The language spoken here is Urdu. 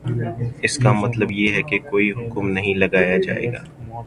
اس کا مطلب یہ ہے کہ کوئی حکم نہیں لگایا جائے گا